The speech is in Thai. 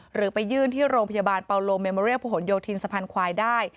หรือไปยื่นที่โรงพยาบาลเปาโลเมมเรียพหนโยธินสะพานควายได้